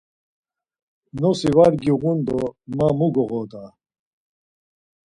Nosi var giğun do ma mu goğoda!